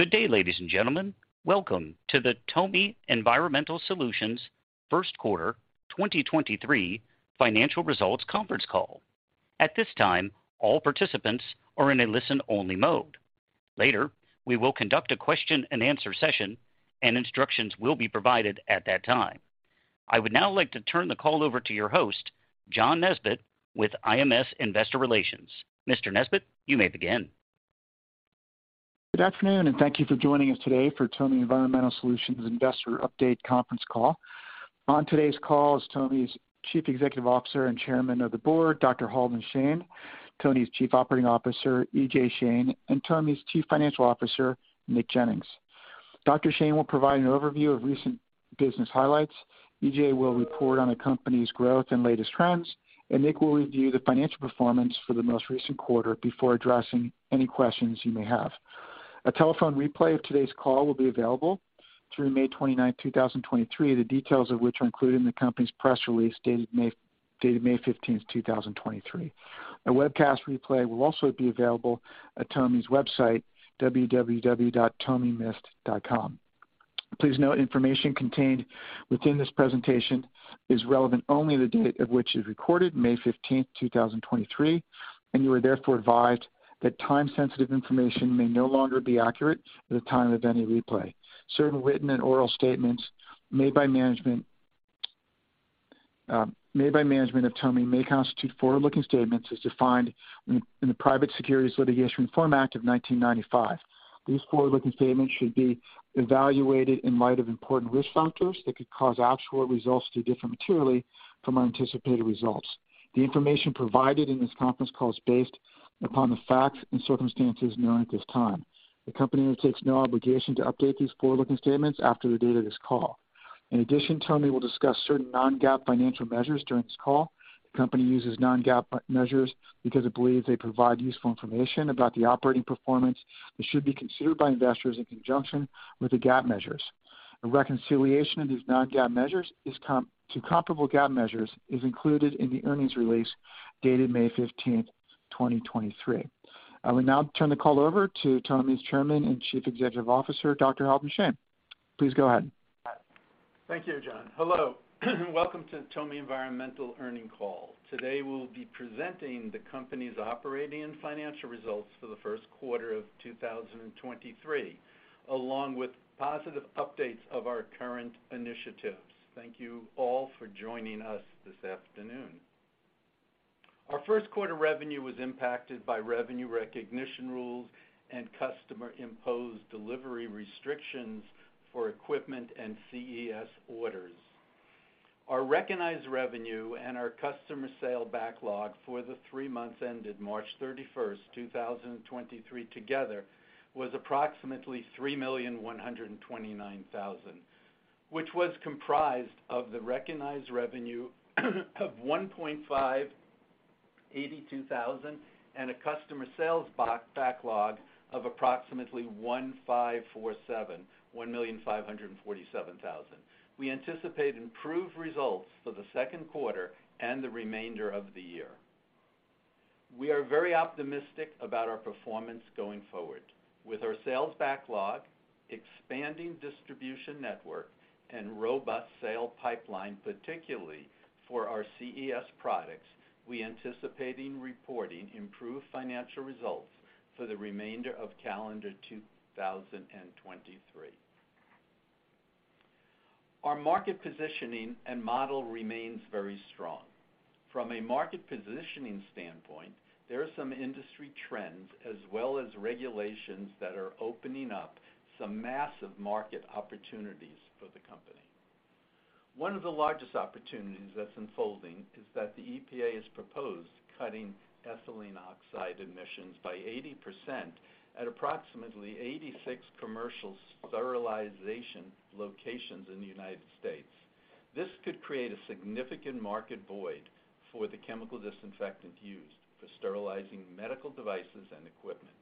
Good day, ladies and gentlemen. Welcome to the TOMI Environmental Solutions first quarter 2023 financial results conference call. At this time, all participants are in a listen-only mode. Later, we will conduct a question and answer session. Instructions will be provided at that time. I would now like to turn the call over to your host, John Nesbett, with IMS Investor Relations. Mr. Nesbett, you may begin. Good afternoon, and thank you for joining us today for TOMI Environmental Solutions investor update conference call. On today's call is TOMI's Chief Executive Officer and Chairman of the Board, Dr. Halden Shane, TOMI's Chief Operating Officer, E.J. Shane, and TOMI's Chief Financial Officer, Nick Jennings. Dr. Shane will provide an overview of recent business highlights, E.J. will report on the company's growth and latest trends, and Nick will review the financial performance for the most recent quarter before addressing any questions you may have. A telephone replay of today's call will be available through May 29, 2023, the details of which are included in the company's press release dated May 15, 2023. A webcast replay will also be available at TOMI's website, www.tomimist.com. Please note information contained within this presentation is relevant only the date of which is recorded May 15th, 2023, and you are therefore advised that time-sensitive information may no longer be accurate at the time of any replay. Certain written and oral statements made by management of TOMI may constitute forward-looking statements as defined in the Private Securities Litigation Reform Act of 1995. These forward-looking statements should be evaluated in light of important risk factors that could cause actual results to differ materially from anticipated results. The information provided in this conference call is based upon the facts and circumstances known at this time. The company undertakes no obligation to update these forward-looking statements after the date of this call. In addition, TOMI will discuss certain non-GAAP financial measures during this call. The company uses non-GAAP measures because it believes they provide useful information about the operating performance that should be considered by investors in conjunction with the GAAP measures. A reconciliation of these non-GAAP measures to comparable GAAP measures is included in the earnings release dated May 15, 2023. I will now turn the call over to TOMI's Chairman and Chief Executive Officer, Dr. Halden Shane. Please go ahead. Thank you, John. Hello. Welcome to TOMI Environmental earnings call. Today, we'll be presenting the company's operating and financial results for the first quarter of 2023, along with positive updates of our current initiatives. Thank you all for joining us this afternoon. Our first quarter revenue was impacted by revenue recognition rules and customer-imposed delivery restrictions for equipment and CES orders. Our recognized revenue and our customer sale backlog for the three months ended March 31st, 2023 together was approximately $3,129,000, which was comprised of the recognized revenue of $1,582,000 and a customer sales box backlog of approximately $1,547,000. We anticipate improved results for the second quarter and the remainder of the year. We are very optimistic about our performance going forward. With our sales backlog, expanding distribution network, and robust sale pipeline, particularly for our CES products, we're anticipating reporting improved financial results for the remainder of calendar 2023. Our market positioning and model remains very strong. From a market positioning standpoint, there are some industry trends as well as regulations that are opening up some massive market opportunities for the company. One of the largest opportunities that's unfolding is that the EPA has proposed cutting ethylene oxide emissions by 80% at approximately 86 commercial sterilization locations in the United States. This could create a significant market void for the chemical disinfectant used for sterilizing medical devices and equipment.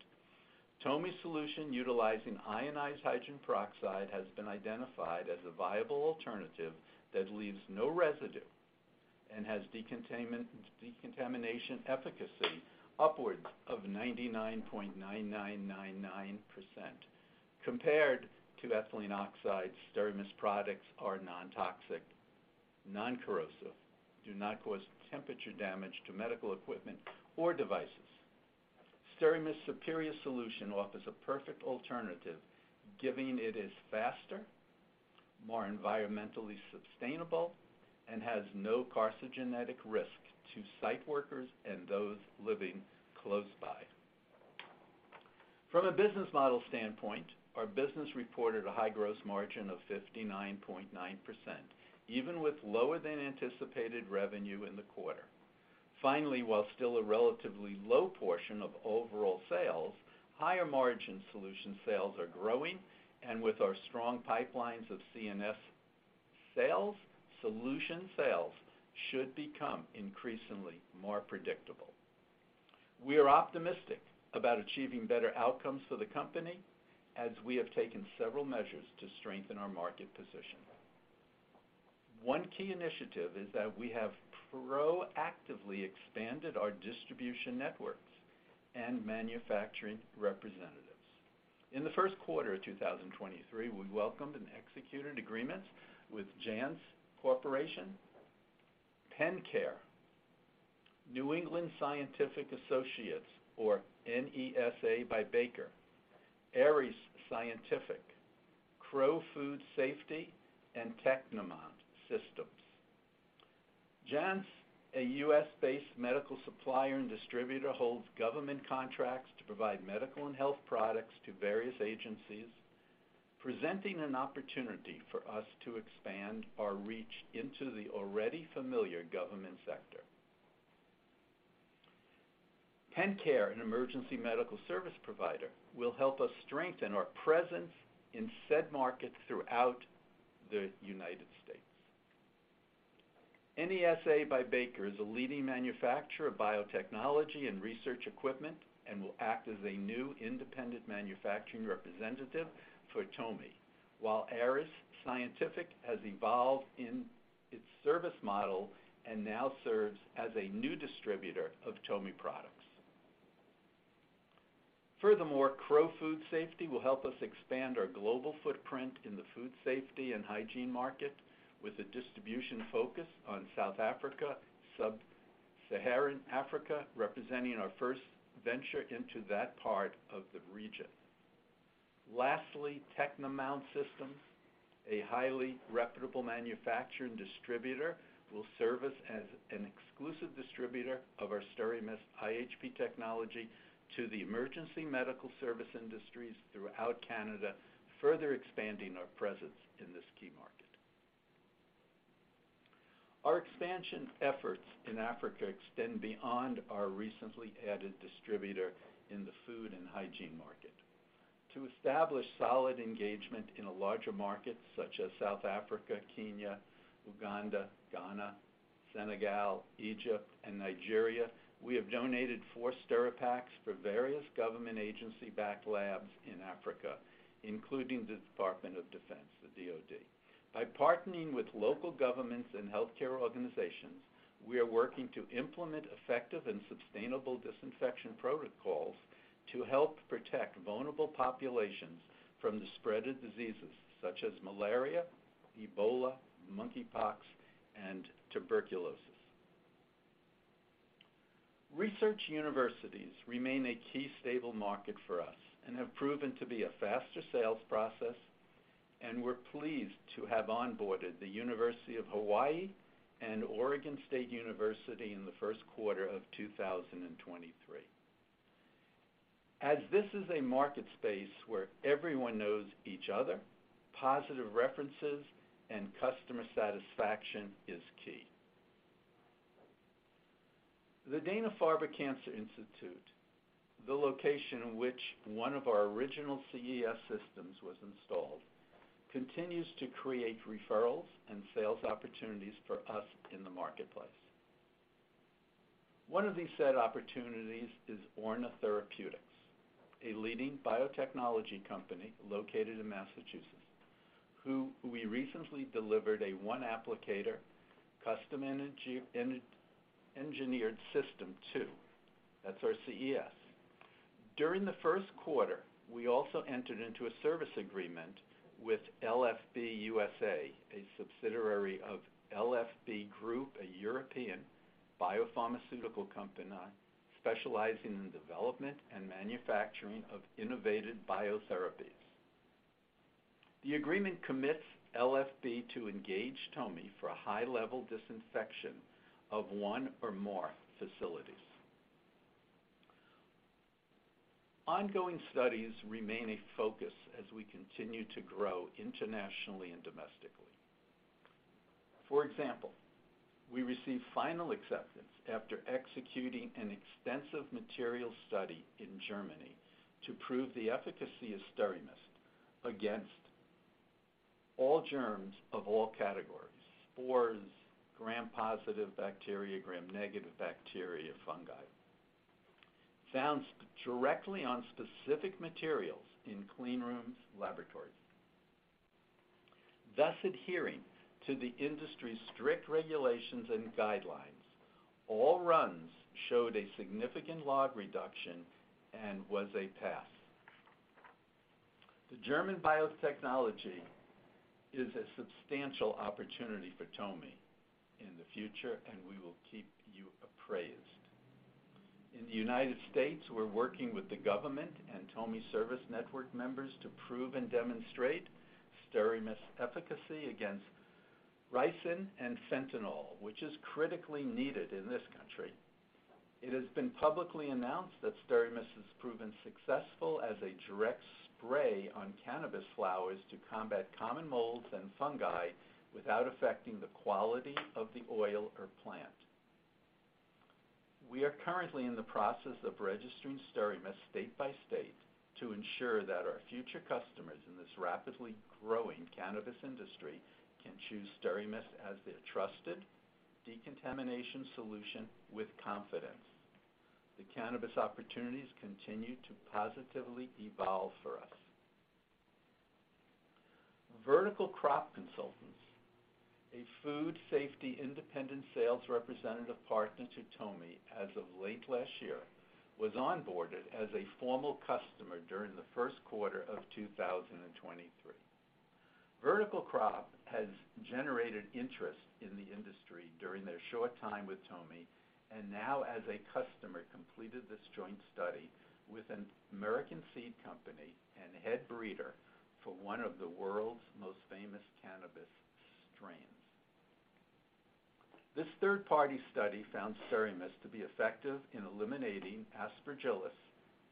TOMI's solution, utilizing ionized Hydrogen Peroxide, has been identified as a viable alternative that leaves no residue and has decontamination efficacy upwards of 99.9999%. Compared to ethylene oxide, SteraMist products are non-toxic, non-corrosive, do not cause temperature damage to medical equipment or devices. SteraMist's superior solution offers a perfect alternative, given it is faster, more environmentally sustainable, and has no carcinogenic risk to site workers and those living close by. From a business model standpoint, our business reported a high gross margin of 59.9%, even with lower than anticipated revenue in the quarter. Finally, while still a relatively low portion of overall sales, higher margin solution sales are growing, and with our strong pipelines of CES sales, solution sales should become increasingly more predictable. We are optimistic about achieving better outcomes for the company as we have taken several measures to strengthen our market position. One key initiative is that we have proactively expanded our distribution networks and manufacturing representatives. In the first quarter of 2023, we welcomed and executed agreements with Janz Corporation, PennCare, New England Scientific Associates, or NESA by Baker, Ares Scientific, Crowe Food Safety, and Technimount Systems. Janz, a U.S.-based medical supplier and distributor, holds government contracts to provide medical and health products to various agencies, presenting an opportunity for us to expand our reach into the already familiar government sector. PennCare, an emergency medical service provider, will help us strengthen our presence in said markets throughout the United States. NESA by Baker is a leading manufacturer of biotechnology and research equipment and will act as a new independent manufacturing representative for TOMI, while Ares Scientific has evolved in its service model and now serves as a new distributor of TOMI products. Crowe Food Safety will help us expand our global footprint in the food safety and hygiene market with a distribution focus on South Africa, Sub-Saharan Africa, representing our first venture into that part of the region. Technimount System, a highly reputable manufacturer and distributor, will serve us as an exclusive distributor of our SteraMist iHP technology to the emergency medical service industries throughout Canada, further expanding our presence in this key market. Our expansion efforts in Africa extend beyond our recently added distributor in the food and hygiene market. To establish solid engagement in a larger market such as South Africa, Kenya, Uganda, Ghana, Senegal, Egypt, and Nigeria, we have donated four SteraPaks for various government agency-backed labs in Africa, including the Department of Defense, the DoD. By partnering with local governments and healthcare organizations, we are working to implement effective and sustainable disinfection protocols to help protect vulnerable populations from the spread of diseases such as malaria, Ebola, monkeypox, and tuberculosis. Research universities remain a key stable market for us and have proven to be a faster sales process. We're pleased to have onboarded the University of Hawaiʻi and Oregon State University in the 1st quarter of 2023. As this is a market space where everyone knows each other, positive references and customer satisfaction is key. The Dana-Farber Cancer Institute, the location in which one of our original CES systems was installed, continues to create referrals and sales opportunities for us in the marketplace. One of these said opportunities is Orna Therapeutics, a leading biotechnology company located in Massachusetts, who we recently delivered a one-applicator Custom Engineered System to. That's our CES. During the first quarter, we also entered into a service agreement with LFB USA, a subsidiary of LFB Group, a European biopharmaceutical company specializing in the development and manufacturing of innovative biotherapies. The agreement commits LFB to engage TOMI for a high-level disinfection of one or more facilities. Ongoing studies remain a focus as we continue to grow internationally and domestically. For example, we received final acceptance after executing an extensive material study in Germany to prove the efficacy of SteraMist against all germs of all categories, spores, gram-positive bacteria, gram-negative bacteria, fungi, found directly on specific materials in clean rooms, laboratories. Thus adhering to the industry's strict regulations and guidelines, all runs showed a significant log reduction and was a pass. The German biotechnology is a substantial opportunity for TOMI in the future, and we will keep you appraised. In the United States, we're working with the government and TOMI service network members to prove and demonstrate SteraMist efficacy against ricin and fentanyl, which is critically needed in this country. It has been publicly announced that SteraMist has proven successful as a direct spray on cannabis flowers to combat common molds and fungi without affecting the quality of the oil or plant. We are currently in the process of registering SteraMist state by state to ensure that our future customers in this rapidly growing cannabis industry can choose SteraMist as their trusted decontamination solution with confidence. The cannabis opportunities continue to positively evolve for us. Vertical Crop Consultants, a food safety independent sales representative partner to TOMI as of late last year, was onboarded as a formal customer during the first quarter of 2023. Vertical Crop has generated interest in the industry during their short time with TOMI, and now as a customer, completed this joint study with an American seed company and head breeder for one of the world's most famous cannabis strains. This third-party study found SteraMist to be effective in eliminating Aspergillus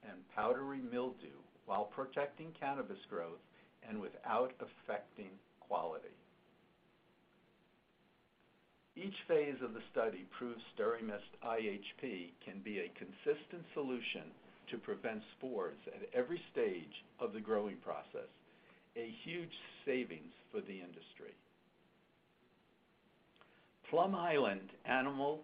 and powdery mildew while protecting cannabis growth and without affecting quality. Each phase of the study proves SteraMist iHP can be a consistent solution to prevent spores at every stage of the growing process, a huge savings for the industry. Plum Island Animal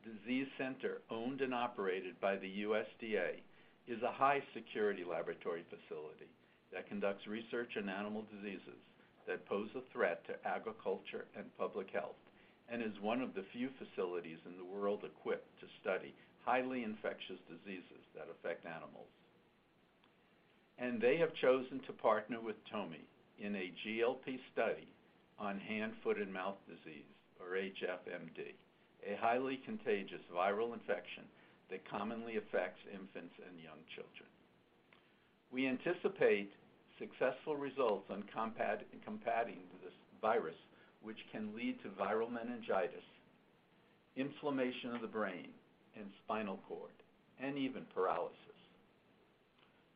Disease Center, owned and operated by the USDA, is a high-security laboratory facility that conducts research in animal diseases that pose a threat to agriculture and public health, and is 1 of the few facilities in the world equipped to study highly infectious diseases that affect animals. They have chosen to partner with Tomi in a GLP study on hand, foot, and mouth disease, or HFMD, a highly contagious viral infection that commonly affects infants and young children. We anticipate successful results on combating this virus, which can lead to viral meningitis, inflammation of the brain and spinal cord, and even paralysis.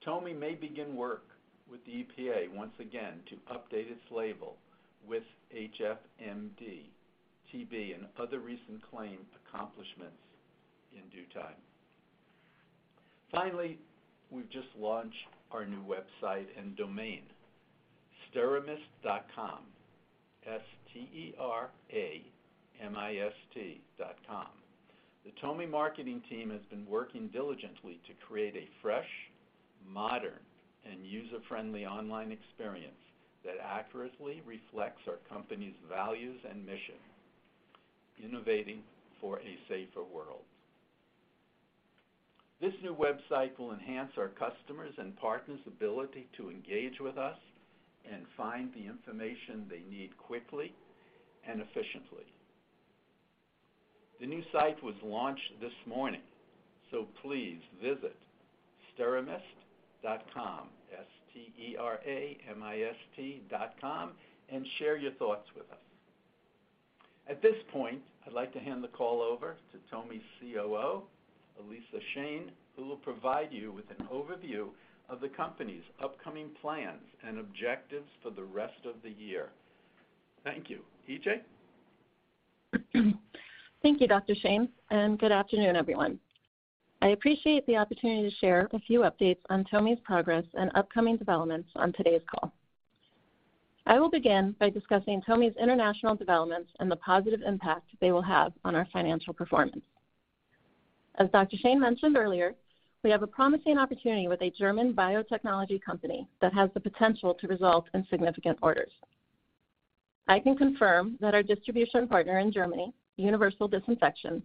Tomi may begin work with the EPA once again to update its label with HFMD, TB, and other recent claimed accomplishments in due time. Finally, we've just launched our new website and domain, steramist.com, S-T-E-R-A-M-I-S-T dot com. The Tomi marketing team has been working diligently to create a fresh, modern, and user-friendly online experience that accurately reflects our company's values and mission, innovating for a safer world. This new website will enhance our customers' and partners' ability to engage with us and find the information they need quickly and efficiently. The new site was launched this morning, so please visit steramist.com, S-T-E-R-A-M-I-S-T dot com, and share your thoughts with us. At this point, I'd like to hand the call over to TOMI's COO, Elisa Shane, who will provide you with an overview of the company's upcoming plans and objectives for the rest of the year. Thank you. E.J.? Thank you, Dr. Shane. Good afternoon, everyone. I appreciate the opportunity to share a few updates on TOMI's progress and upcoming developments on today's call. I will begin by discussing TOMI's international developments and the positive impact they will have on our financial performance. As Dr. Shane mentioned earlier, we have a promising opportunity with a German biotechnology company that has the potential to result in significant orders. I can confirm that our distribution partner in Germany, Universal Disinfection,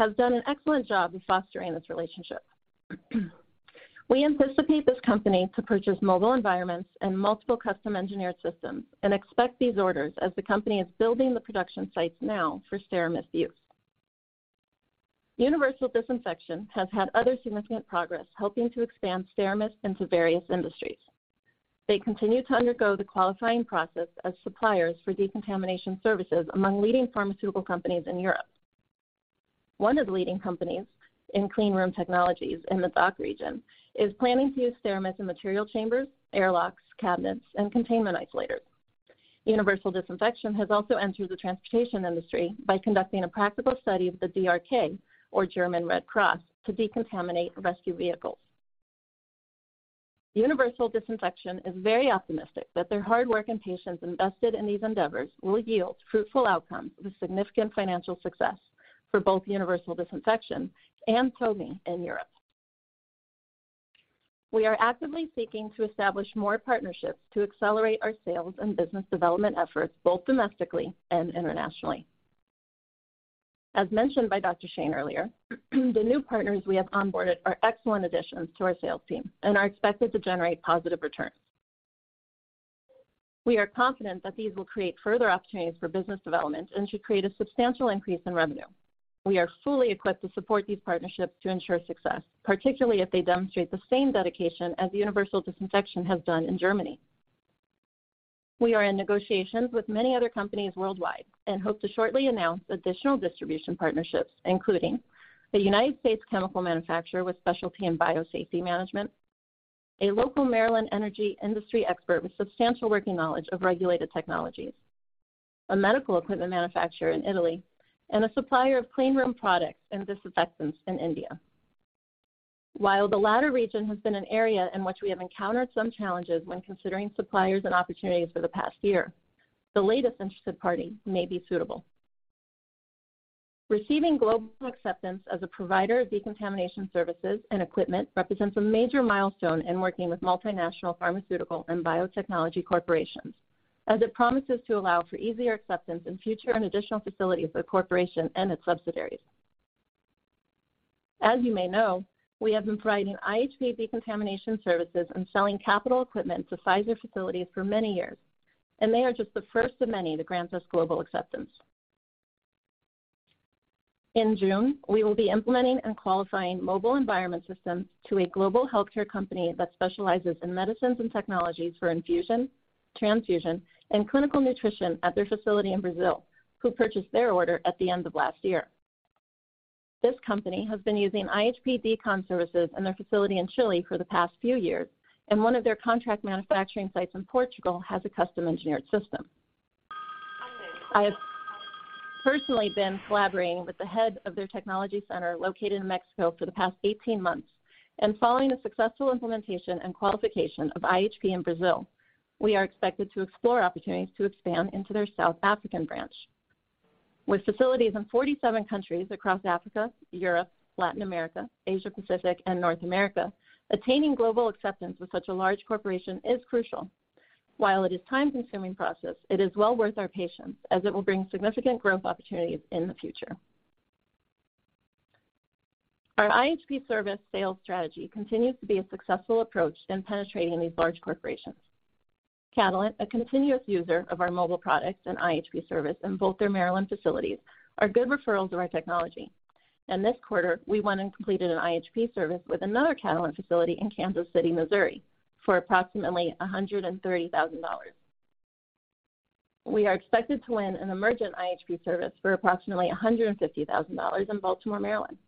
has done an excellent job of fostering this relationship. We anticipate this company to purchase mobile environments and multiple Custom Engineered Systems and expect these orders as the company is building the production sites now for SteraMist use. Universal Disinfection has had other significant progress helping to expand SteraMist into various industries. They continue to undergo the qualifying process as suppliers for decontamination services among leading pharmaceutical companies in Europe. One of the leading companies in clean room technologies in the DACH region is planning to use SteraMist in material chambers, airlocks, cabinets, and containment isolators. Universal Disinfection has also entered the transportation industry by conducting a practical study of the DRK, or German Red Cross, to decontaminate rescue vehicles. Universal Disinfection is very optimistic that their hard work and patience invested in these endeavors will yield fruitful outcomes with significant financial success for both Universal Disinfection and TOMI in Europe. We are actively seeking to establish more partnerships to accelerate our sales and business development efforts, both domestically and internationally. As mentioned by Dr. Shane earlier, the new partners we have onboarded are excellent additions to our sales team and are expected to generate positive returns. We are confident that these will create further opportunities for business development and should create a substantial increase in revenue. We are fully equipped to support these partnerships to ensure success, particularly if they demonstrate the same dedication as Universal Disinfection has done in Germany. We are in negotiations with many other companies worldwide and hope to shortly announce additional distribution partnerships, including a United States chemical manufacturer with specialty in biosafety management, a local Maryland energy industry expert with substantial working knowledge of regulated technologies, a medical equipment manufacturer in Italy, and a supplier of clean room products and disinfectants in India. The latter region has been an area in which we have encountered some challenges when considering suppliers and opportunities for the past year, the latest interested party may be suitable. Receiving global acceptance as a provider of decontamination services and equipment represents a major milestone in working with multinational pharmaceutical and biotechnology corporations, as it promises to allow for easier acceptance in future and additional facilities of the corporation and its subsidiaries. As you may know, we have been providing iHP decontamination services and selling capital equipment to Pfizer facilities for many years, and they are just the first of many to grant us global acceptance. In June, we will be implementing and qualifying mobile environment systems to a global healthcare company that specializes in medicines and technologies for infusion, transfusion, and clinical nutrition at their facility in Brazil, who purchased their order at the end of last year. This company has been using iHP Decon services in their facility in Chile for the past few years, and one of their contract manufacturing sites in Portugal has a custom-engineered system. I have personally been collaborating with the head of their technology center located in Mexico for the past 18 months. Following the successful implementation and qualification of iHP in Brazil, we are expected to explore opportunities to expand into their South African branch. With facilities in 47 countries across Africa, Europe, Latin America, Asia Pacific, and North America, attaining global acceptance with such a large corporation is crucial. While it is time-consuming process, it is well worth our patience as it will bring significant growth opportunities in the future. Our iHP service sales strategy continues to be a successful approach in penetrating these large corporations. Catalent, a continuous user of our mobile products and iHP service in both their Maryland facilities, are good referrals of our technology. This quarter, we went and completed an iHP service with another Catalent facility in Kansas City, Missouri, for approximately $130,000. We are expected to win an Emergent iHP service for approximately $150,000 in Baltimore, Maryland.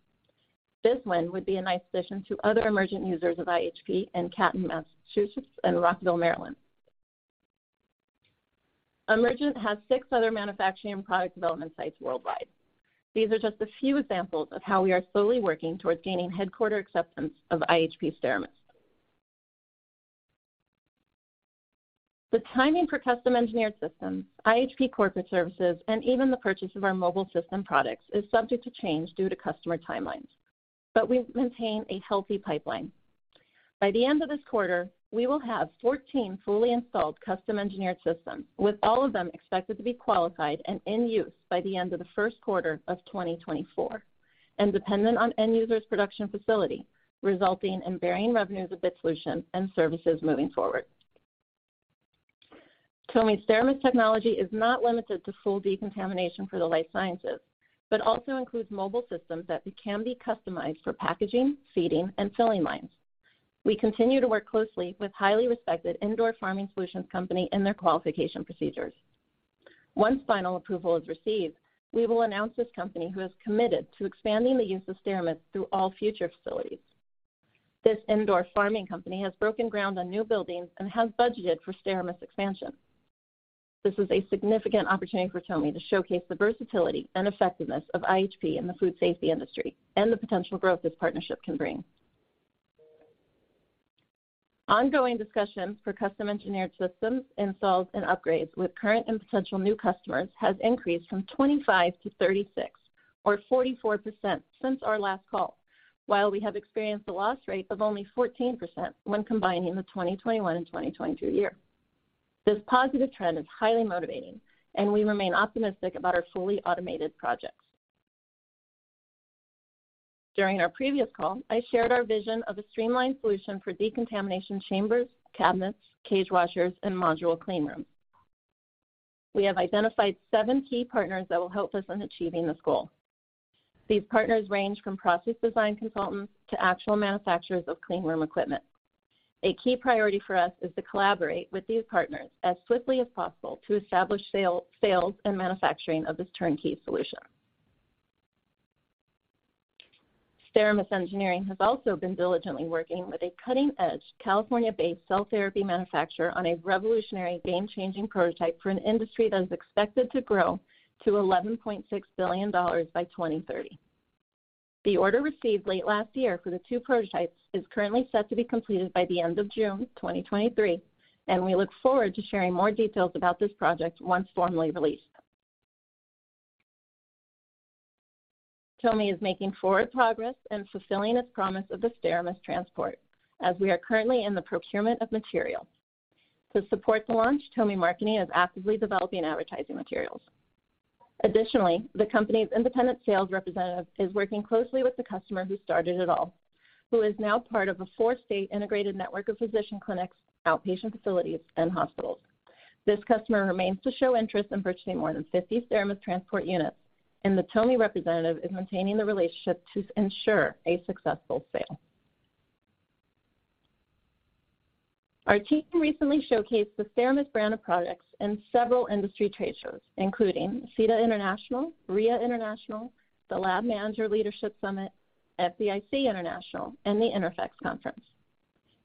This win would be a nice addition to other Emergent users of iHP in Canton, Massachusetts, and Rockville, Maryland. Emergent has six other manufacturing product development sites worldwide. These are just a few examples of how we are slowly working towards gaining headquarter acceptance of iHP SteraMist. The timing for Custom Engineered Systems, iHP corporate services, and even the purchase of our mobile system products is subject to change due to customer timelines, but we maintain a healthy pipeline. By the end of this quarter, we will have 14 fully installed Custom Engineered Systems, with all of them expected to be qualified and in use by the end of the first quarter of 2024, and dependent on end users' production facility, resulting in varying revenues of this solution and services moving forward. TOMI SteraMist technology is not limited to full decontamination for the life sciences, but also includes mobile systems that can be customized for packaging, seeding, and filling lines. We continue to work closely with highly respected indoor farming solutions company in their qualification procedures. Once final approval is received, we will announce this company who has committed to expanding the use of SteraMist through all future facilities. This indoor farming company has broken ground on new buildings and has budgeted for SteraMist expansion. This is a significant opportunity for TOMI to showcase the versatility and effectiveness of iHP in the food safety industry and the potential growth this partnership can bring. Ongoing discussions for Custom Engineered Systems, installs, and upgrades with current and potential new customers has increased from 25-36, or 44% since our last call, while we have experienced a loss rate of only 14% when combining the 2021 and 2022 year. This positive trend is highly motivating, and we remain optimistic about our fully automated projects. During our previous call, I shared our vision of a streamlined solution for decontamination chambers, cabinets, cage washers, and module clean rooms. We have identified seven key partners that will help us in achieving this goal. These partners range from process design consultants to actual manufacturers of clean room equipment. A key priority for us is to collaborate with these partners as swiftly as possible to establish sales and manufacturing of this turnkey solution. SteraMist Engineering has also been diligently working with a cutting-edge California-based cell therapy manufacturer on a revolutionary game-changing prototype for an industry that is expected to grow to $11.6 billion by 2030. The order received late last year for the two prototypes is currently set to be completed by the end of June 2023, and we look forward to sharing more details about this project once formally released. Tomi is making forward progress in fulfilling its promise of the SteraMist transport, as we are currently in the procurement of material. To support the launch, Tomi marketing is actively developing advertising materials. The company's independent sales representative is working closely with the customer who started it all, who is now part of a four-state integrated network of physician clinics, outpatient facilities, and hospitals. This customer remains to show interest in purchasing more than 50 SteraMist transport units, and the TOMI representative is maintaining the relationship to ensure a successful sale. Our team recently showcased the SteraMist brand of products in several industry trade shows, including CEDA International, RIA International, the Lab Manager Leadership Summit, FBIC International, and the INTERPHEX Conference.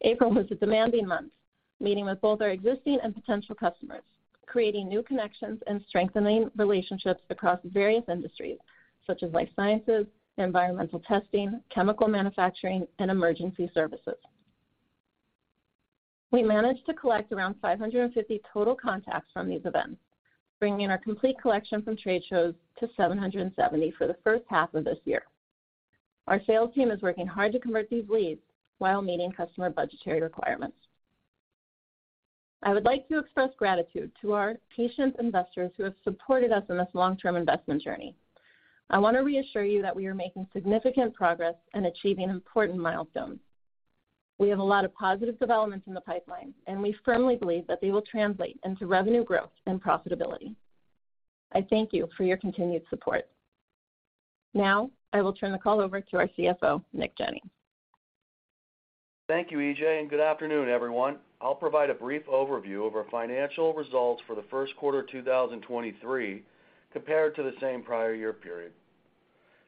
April was a demanding month, meeting with both our existing and potential customers, creating new connections and strengthening relationships across various industries, such as life sciences, environmental testing, chemical manufacturing, and emergency services. We managed to collect around 550 total contacts from these events, bringing our complete collection from trade shows to 770 for the first half of this year. Our sales team is working hard to convert these leads while meeting customer budgetary requirements. I would like to express gratitude to our patient investors who have supported us in this long-term investment journey. I want to reassure you that we are making significant progress in achieving important milestones. We have a lot of positive developments in the pipeline, and we firmly believe that they will translate into revenue growth and profitability. I thank you for your continued support. Now, I will turn the call over to our CFO, Nick Jennings. Thank you, E.J., and good afternoon, everyone. I'll provide a brief overview of our financial results for the first quarter 2023 compared to the same prior year period.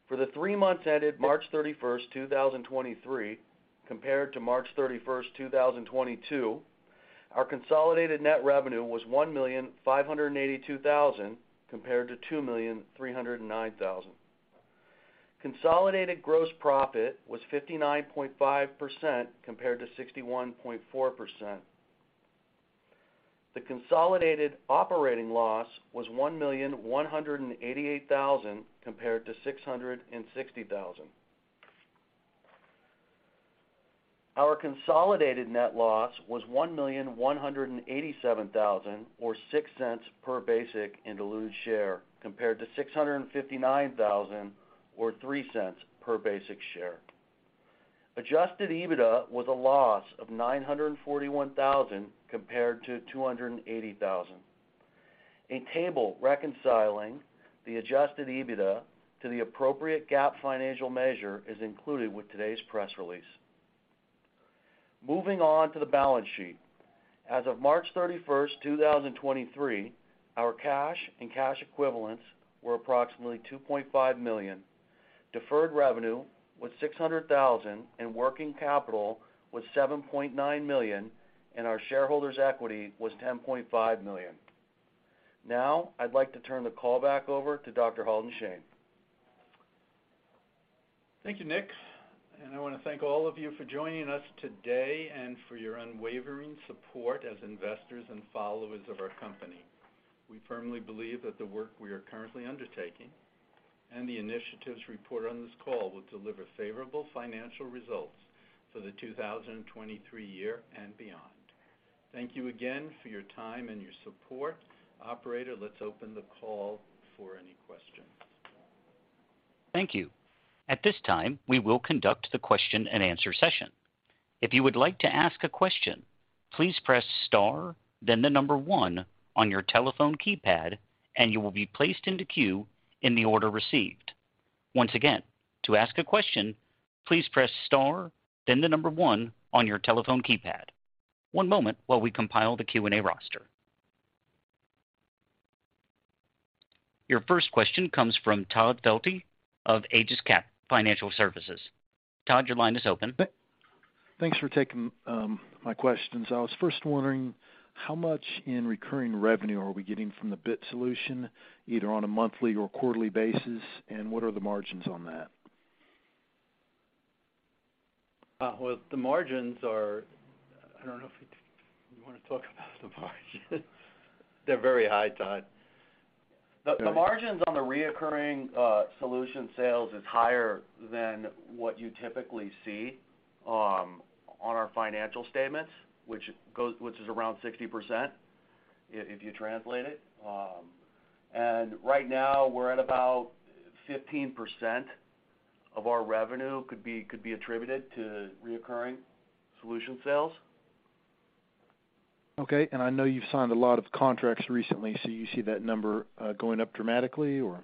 For the three months ended March 31, 2023 compared to March 31, 2022, our consolidated net revenue was $1,582,000 compared to $2,309,000. Consolidated gross profit was 59.5% compared to 61.4%. The consolidated operating loss was $1,188,000 compared to $660,000. Our consolidated net loss was $1,187,000 or $0.06 per basic and diluted share, compared to $659,000 or $0.03 per basic share. Adjusted EBITDA was a loss of $941,000 compared to $280,000. A table reconciling the adjusted EBITDA to the appropriate GAAP financial measure is included with today's press release. Moving on to the balance sheet. As of March 31, 2023, our cash and cash equivalents were approximately $2.5 million. Deferred revenue was $600,000, working capital was $7.9 million, our shareholders' equity was $10.5 million. I'd like to turn the call back over to Dr. Halden Shane. Thank you, Nick. I want to thank all of you for joining us today and for your unwavering support as investors and followers of our company. We firmly believe that the work we are currently undertaking and the initiatives reported on this call will deliver favorable financial results for the 2023 year and beyond. Thank you again for your time and your support. Operator, let's open the call for any questions. Thank you. At this time, we will conduct the question-and-answer session. If you would like to ask a question, please press star, then the number one on your telephone keypad, and you will be placed into queue in the order received. Once again, to ask a question, please press star, then the number one on your telephone keypad. One moment while we compile the Q&A roster. Your first question comes from Todd Felte of Aegis Cap Financial Services. Todd, your line is open. Thanks for taking my questions. I was first wondering how much in recurring revenue are we getting from the BIT solution, either on a monthly or quarterly basis, and what are the margins on that? Well, the margins are, I don't know if you want to talk about the margins. They're very high, Todd. The margins on the reoccurring solution sales is higher than what you typically see on our financial statements, which is around 60% if you translate it. Right now, we're at about 15% of our revenue could be attributed to reoccurring solution sales. Okay. I know you've signed a lot of contracts recently, so you see that number, going up dramatically or?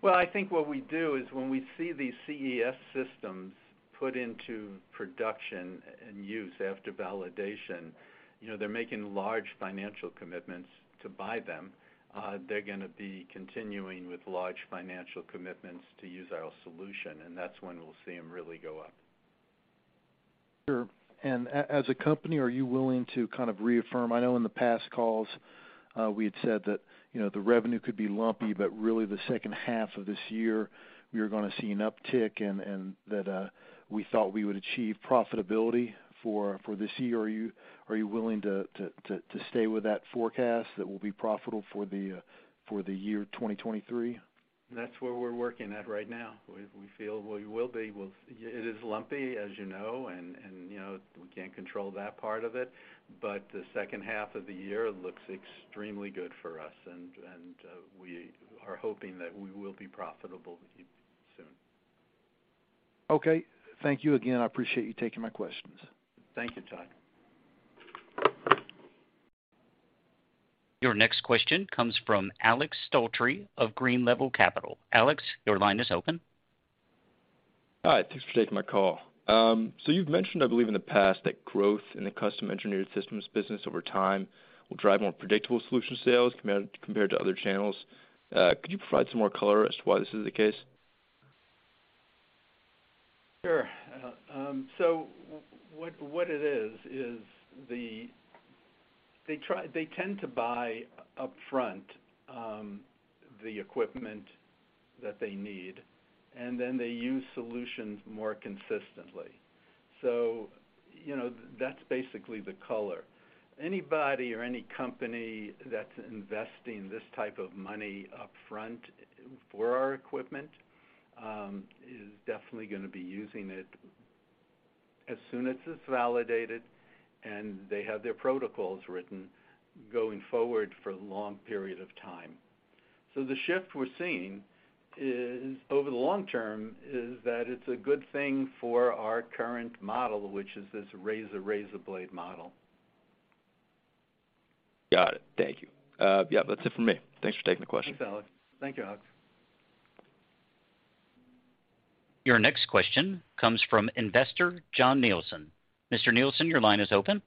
Well, I think what we do is when we see these CES systems put into production and use after validation, you know, they're making large financial commitments to buy them. They're gonna be continuing with large financial commitments to use our solution, and that's when we'll see them really go up. Sure. As a company, are you willing to kind of reaffirm? I know in the past calls, we had said that, you know, the revenue could be lumpy, but really the second half of this year, we are gonna see an uptick and that we thought we would achieve profitability for this year. Are you willing to stay with that forecast that we'll be profitable for the year 2023? That's where we're working at right now. We feel we will be. It is lumpy, as you know, and, you know, we can't control that part of it. The second half of the year looks extremely good for us, and, we are hoping that we will be profitable soon. Okay. Thank you again. I appreciate you taking my questions. Thank you, Todd. Your next question comes from Alex Stultry of Green Level Capital. Alex, your line is open. Hi. Thanks for taking my call. You've mentioned, I believe in the past, that growth in the Custom Engineered Systems business over time will drive more predictable solution sales compared to other channels. Could you provide some more color as to why this is the case? Sure. What it is they tend to buy upfront, the equipment that they need, and then they use solutions more consistently. You know, that's basically the color. Anybody or any company that's investing this type of money upfront for our equipment, is definitely gonna be using it as soon as it's validated, and they have their protocols written going forward for a long period of time. The shift we're seeing is, over the long term, is that it's a good thing for our current model, which is this razor-razor blade model. Got it. Thank you. yeah, that's it for me. Thanks for taking the question. Thanks, Alex. Thank you, Alex. Your next question comes from investor John Nelson. Mr. Nelson, your line is open.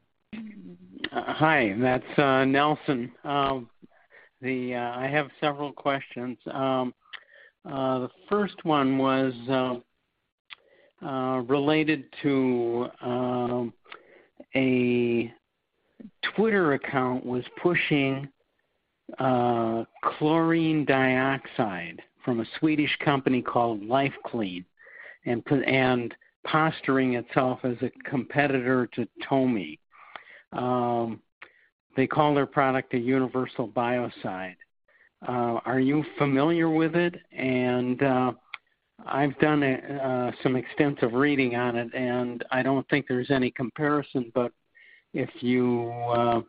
Hi, that's Nelson. I have several questions. The first one was related to a Twitter account was pushing chlorine dioxide from a Swedish company called LifeClean and posturing itself as a competitor to TOMI. They call their product a universal biocide. Are you familiar with it? I've done some extensive reading on it, and I don't think there's any comparison. If you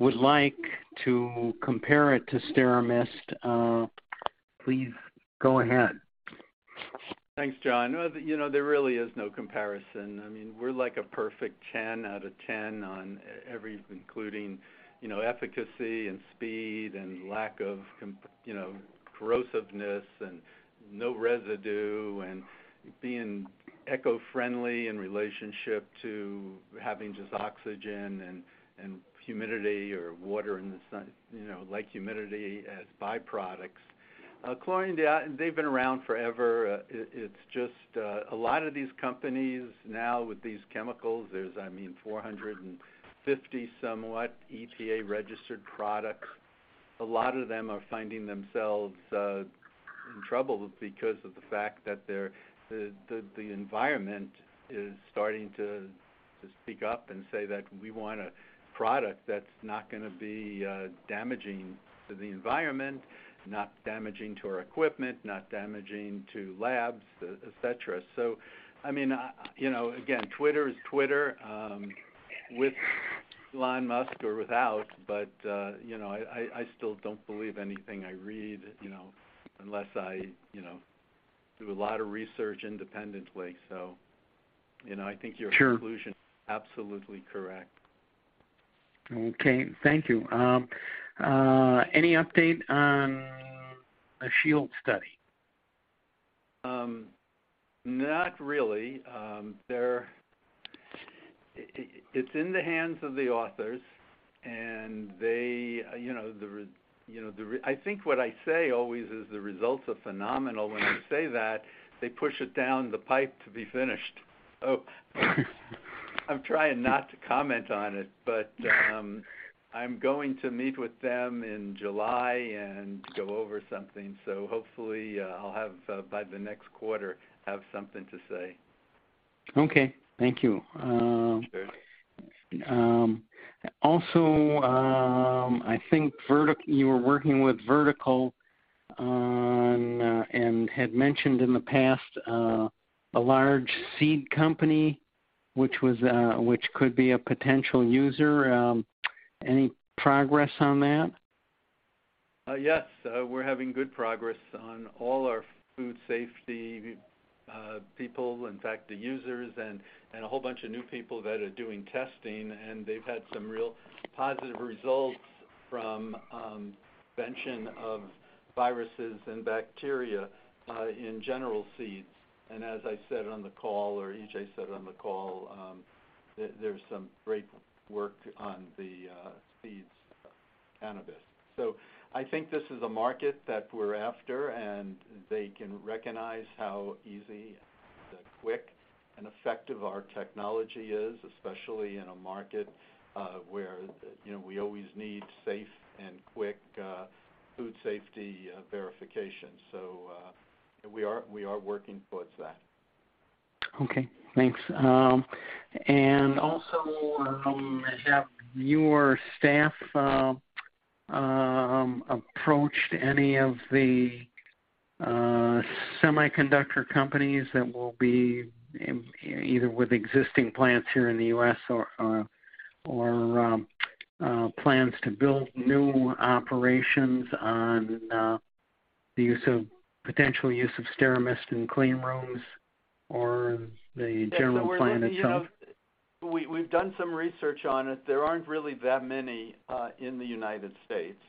would like to compare it to SteraMist, please go ahead. Thanks, John. Well, you know, there really is no comparison. I mean, we're like a perfect 10 out of 10 on every including, you know, efficacy and speed and lack of you know, corrosiveness and no residue and being eco-friendly in relationship to having just oxygen and humidity or water in the sun, you know, like humidity as byproducts. chlorine dioxide they've been around forever. It's just, a lot of these companies now with these chemicals, there's, I mean, 450 somewhat EPA registered products. A lot of them are finding themselves in trouble because of the fact that the environment is starting to speak up and say that we want a product that's not gonna be damaging to the environment, not damaging to our equipment, not damaging to labs, et cetera. I mean, you know, again, Twitter is Twitter, with Elon Musk or without, but, you know, I still don't believe anything I read, you know, unless I, you know, do a lot of research independently. You know, I think Sure. Conclusion is absolutely correct. Okay. Thank you. Any update on the SHIELD study? Not really. There, it's in the hands of the authors, and they, you know, I think what I say always is the results are phenomenal. When I say that, they push it down the pipe to be finished. I'm trying not to comment on it, but I'm going to meet with them in July and go over something. Hopefully, I'll have by the next quarter have something to say. Okay. Thank you. Sure. Also, I think you were working with Vertical on, and had mentioned in the past, a large seed company, which was, which could be a potential user. Any progress on that? Yes. We're having good progress on all our food safety, people, in fact, the users and a whole bunch of new people that are doing testing, and they've had some real positive results from prevention of viruses and bacteria in general seeds. As I said on the call, or E.J. said on the call, there's some great work on the seeds cannabis. I think this is a market that we're after, and they can recognize how easy, quick and effective our technology is, especially in a market where, you know, we always need safe and quick food safety verification. We are working towards that. Okay, thanks. Also, have your staff approached any of the semiconductor companies that will be either with existing plants here in the U.S. or plans to build new operations on potential use of SteraMist in clean rooms or the general plan itself? Yeah, you know, we've done some research on it. There aren't really that many in the United States.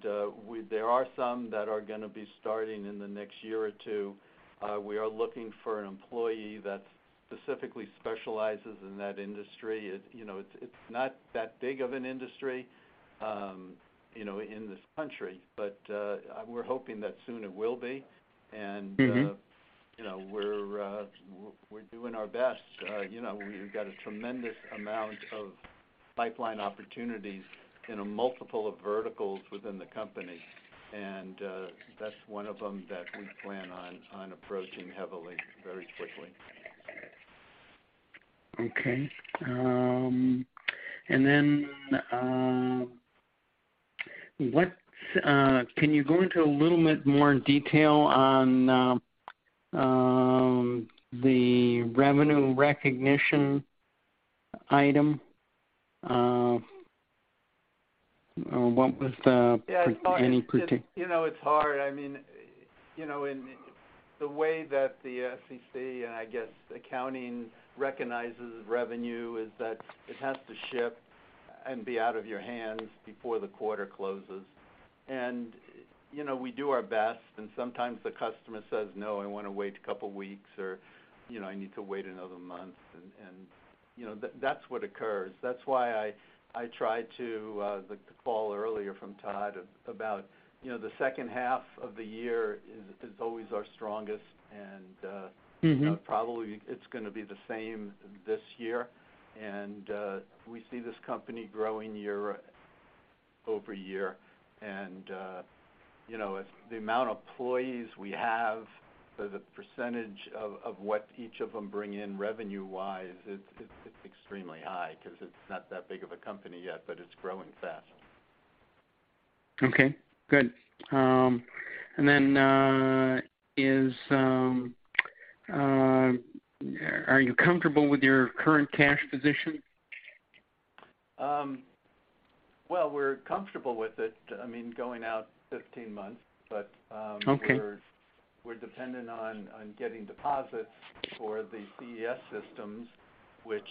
There are some that are gonna be starting in the next year or two. We are looking for an employee that specifically specializes in that industry. It, you know, it's not that big of an industry, you know, in this country, we're hoping that soon it will be. You know, we're doing our best. You know, we've got a tremendous amount of pipeline opportunities in a multiple of verticals within the company. That's one of them that we plan on approaching heavily very quickly. Okay. Can you go into a little bit more detail on the revenue recognition item? What was the, any particular. You know, it's hard. I mean, you know, the way that the FCC and I guess accounting recognizes revenue is that it has to ship and be out of your hands before the quarter closes. You know, we do our best, and sometimes the customer says, "No, I wanna wait a couple weeks," or, you know, "I need to wait another month." You know, that's what occurs. That's why I try to, the call earlier from Todd about, you know, the second half of the year is always our strongest. Probably it's gonna be the same this year. We see this company growing year-over-year. You know, as the amount of employees we have, the percentage of what each of them bring in revenue-wise, it's extremely high 'cause it's not that big of a company yet, but it's growing fast. Okay. Good. Are you comfortable with your current cash position? Well, we're comfortable with it, I mean, going out 15 months, but. Okay. We're dependent on getting deposits for the CES systems, which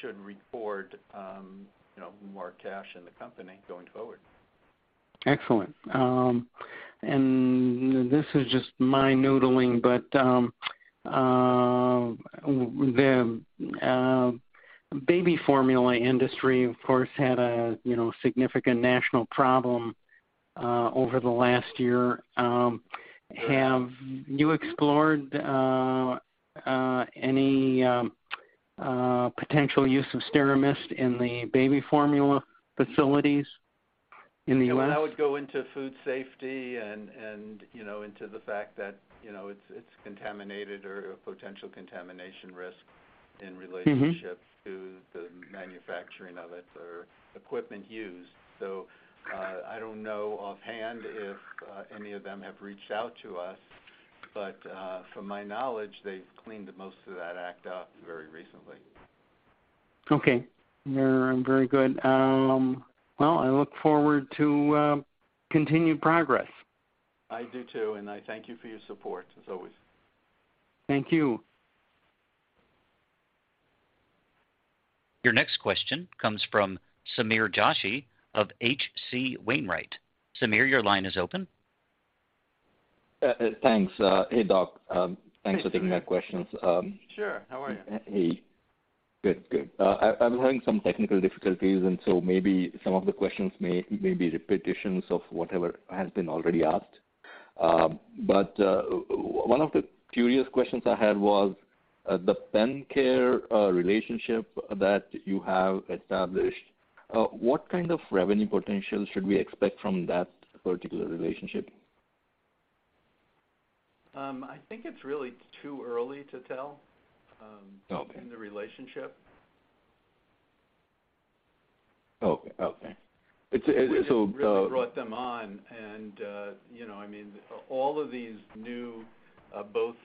should record, you know, more cash in the company going forward. Excellent. This is just my noodling, but the baby formula industry, of course, had a, you know, significant national problem over the last year. Have you explored any potential use of SteraMist in the baby formula facilities in the U.S.? You know, that would go into food safety and, you know, into the fact that, you know, it's contaminated or potential contamination risk in relationship to the manufacturing of it or equipment used. I don't know offhand if any of them have reached out to us, but from my knowledge, they've cleaned the most of that act up very recently. Okay. Yeah, very good. I look forward to continued progress. I do too. I thank you for your support, as always. Thank you. Your next question comes from Sameer Joshi of H.C. Wainwright. Sameer, your line is open. Thanks. hey, Doc. Hey, Sameer. Thanks for taking my questions. Sure. How are you? Hey. Good. Good. I'm having some technical difficulties, maybe some of the questions may be repetitions of whatever has been already asked. One of the curious questions I had was, the PennCare, relationship that you have established, what kind of revenue potential should we expect from that particular relationship? I think it's really too early to tell. Okay. In the relationship. Okay. Okay. It's, so. We brought them on and, you know, I mean, all of these new, both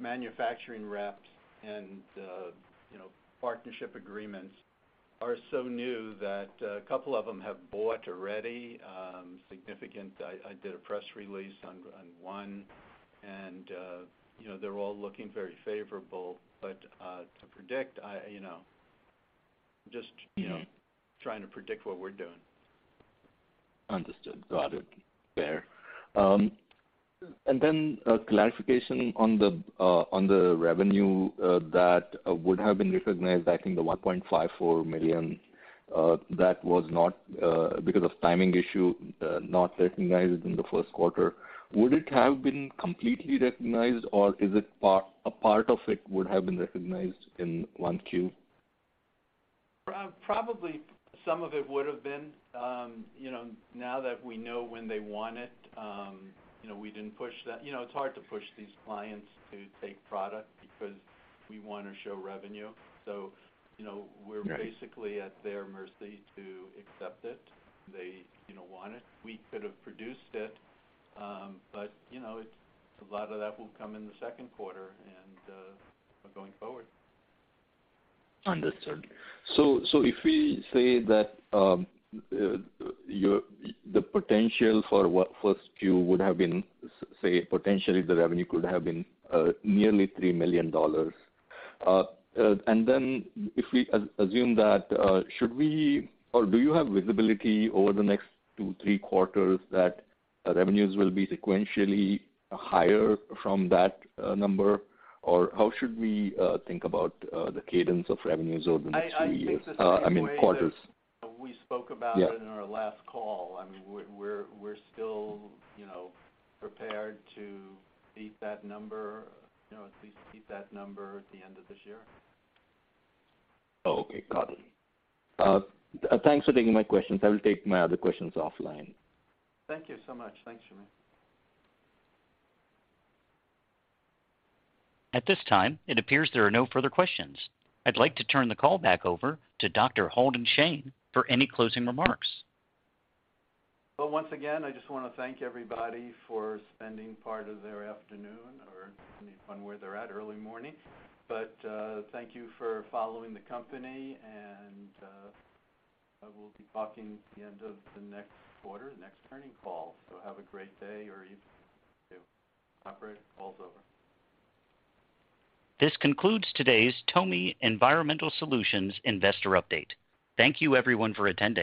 manufacturing reps and, you know, partnership agreements are so new that a couple of them have bought already, significant. I did a press release on one and, you know, they're all looking very favorable. To predict, I, you know, just, you know, trying to predict what we're doing. Understood. Got it. Fair. Then a clarification on the on the revenue that would have been recognized, I think the $1.54 million that was not because of timing issue not recognized in the first quarter. Would it have been completely recognized, or is it a part of it would have been recognized in 1Q? Probably some of it would have been. you know, now that we know when they want it, you know, we didn't push that. You know, it's hard to push these clients to take product because we wanna show revenue. you know. Right. We're basically at their mercy to accept it. They, you know, want it. We could have produced it. You know, a lot of that will come in the second quarter and going forward. Understood. If we say that the potential for what 1Q would have been, say, potentially the revenue could have been nearly $3 million. If we assume that should we or do you have visibility over the next two, three quarters that revenues will be sequentially higher from that number? How should we think about the cadence of revenues over the next two years? I think the same way. I mean, quarters. We spoke about it in our last call. I mean, we're still, you know, prepared to beat that number, you know, at least beat that number at the end of this year. Oh, okay. Got it. Thanks for taking my questions. I will take my other questions offline. Thank you so much. Thanks, Sameer. At this time, it appears there are no further questions. I'd like to turn the call back over to Dr. Halden Shane for any closing remarks. Once again, I just wanna thank everybody for spending part of their afternoon or depending on where they're at, early morning. Thank you for following the company, and I will be talking at the end of the next quarter, next earnings call. Have a great day or evening too. Operator, call's over. This concludes today's TOMI Environmental Solutions Investor Update. Thank you, everyone for attending.